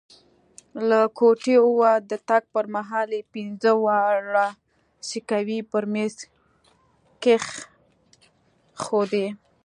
له کوټې ووت، د تګ پر مهال یې پینځه واړه سکوې پر میز کښېښودې.